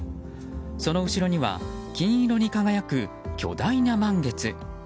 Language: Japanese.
その後ろには金色に輝く巨大な満月。